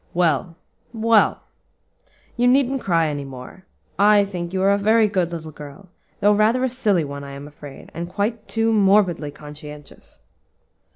Well, well, you needn't cry any more. I think you are a very good little girl, though rather a silly one, I am afraid, and quite too morbidly conscientious."